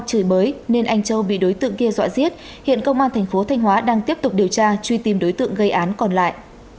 chửi bới nên anh châu bị đối tượng kia dọa giết hiện công an thành phố thanh hóa đang tiếp tục điều tra truy tìm đối tượng gây án còn lại